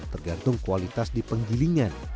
tergantung kualitas di penggilingan